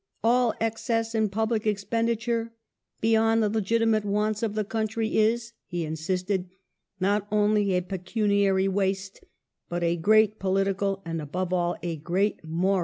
"All excess in public expenditure beyond the legitimate wants of the country is," he insisted, "not only a pecuniary waste, but a great political, and above all a great moral ^ See Gladstone's own Memorandum ap.